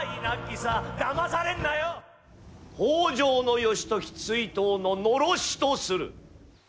北条義時追討の狼煙とする。